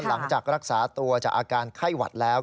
หลังจากรักษาตัวจากอาการไข้หวัดแล้ว